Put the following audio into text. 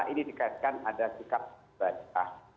ini dikaitkan ada sikap ibadah